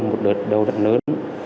một đợt đầu đặt lớn